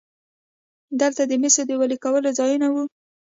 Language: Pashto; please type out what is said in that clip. دلته د مسو د ویلې کولو ځایونه وو